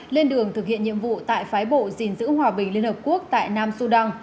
lên đường thực hiện nhiệm vụ tại phái bộ gìn giữ hòa bình liên hợp quốc tại nam sudan